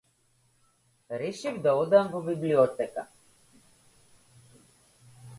Решив да одам во библиотека.